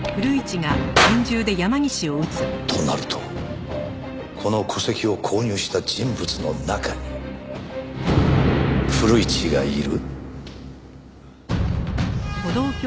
となるとこの戸籍を購入した人物の中に古市がいる。